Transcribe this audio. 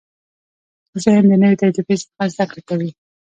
ذهن د نوې تجربې څخه زده کړه کوي.